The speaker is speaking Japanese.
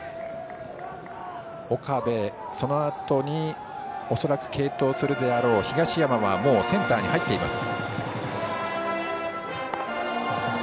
岡部、そのあとに恐らく継投するであろう東山はセンターに入っています。